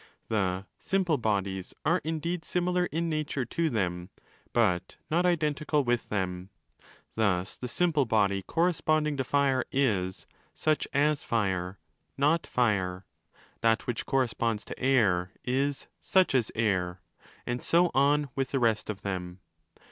The 'simple' bodies are indeed similar in nature to them, but not. identical with them. Thus the 'simple' body corresponding to fire is ' such as fire', not fire: that which corresponds to air is ' such as air': and so on with the rest of them.